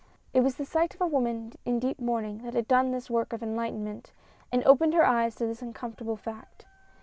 It was the sight of a woman in deep mourning that had done this work of enlightenment, and opened her eyes to this uncomfortable fact.